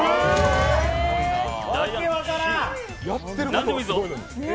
何でもいいぞ。